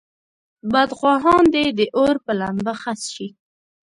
بدخواهان دې د اور په لمبه خس شي.